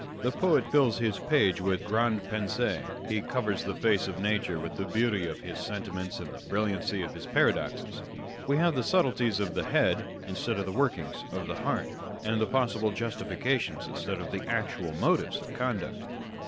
The poet fills his page with grandes pensees. He covers the face of nature with the beauty of his sentiments and the brilliancy of his paradoxes. We have the subtleties of the head, instead of the workings of the heart, and possible justifications instead of the actual motives of conduct.